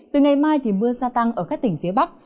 từ ngày mai mưa gia tăng ở các tỉnh phía bắc